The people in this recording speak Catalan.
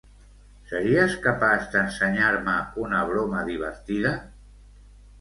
Series capaç d'ensenyar-me una broma divertida?